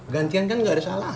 gantian kan gak ada salah ya